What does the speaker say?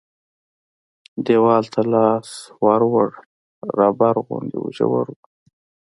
دیوال ته لاس ور ووړ رابر غوندې و ژور و.